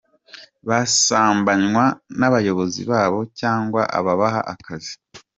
Basambanywa n’abayobozi babo cyangwa ababaha akazi.